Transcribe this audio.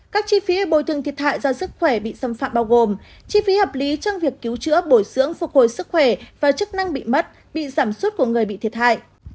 các chi phí bồi thường thiệt hại do sức khỏe bị xâm phạm bao gồm chi phí hợp lý trong việc cứu chữa bồi dưỡng phục hồi sức khỏe và chức năng bị mất bị giảm suốt của người bị thiệt hại